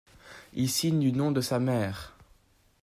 Il signe du nom de sa mère.